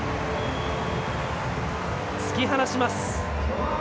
突き放します。